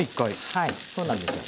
はいそうなんですよ。